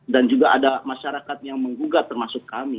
dan juga ada masyarakat yang menggugat termasuk kami